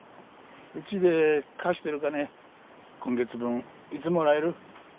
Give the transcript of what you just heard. うちで貸してる金今月分いつもらえる？